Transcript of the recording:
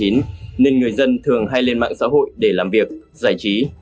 nên người dân thường hay lên mạng xã hội để làm việc giải trí